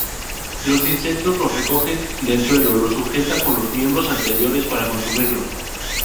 Los insectos los recoge del suelo, los sujeta con los miembros anteriores para consumirlos.